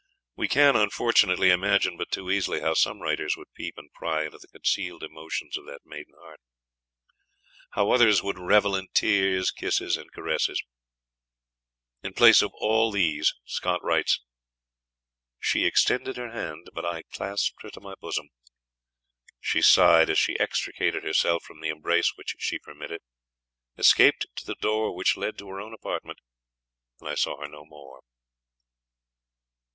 We can, unfortunately, imagine but too easily how some writers would peep and pry into the concealed emotions of that maiden heart; how others would revel in tears, kisses, and caresses. In place of all these Scott writes: She extended her hand, but I clasped her to my bosom. She sighed as she extricated herself from the embrace which she permitted, escaped to the door which led to her own apartment, and I saw her no more.